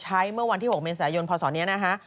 ใช้เมื่อวันที่๖เมษายนพศเนี่ยนะฮะ